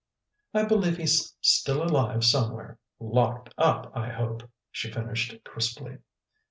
"I believe he's still alive somewhere. Locked up, I hope!" she finished crisply.